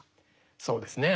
そうですね